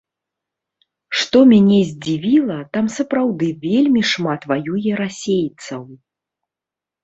Што мяне здзівіла, там сапраўды вельмі шмат ваюе расейцаў.